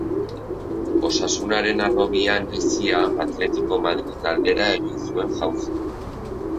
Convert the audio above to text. Osasunaren harrobian hezia, Atletico Madril taldera egin zuen jauzi.